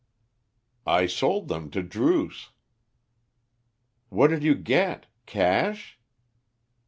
"I sold them to Druce." "What did you get? Cash?"